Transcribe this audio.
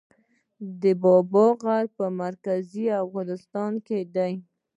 بابا غر په مرکزي افغانستان کې دی